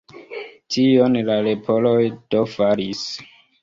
Tion la leporoj do faris.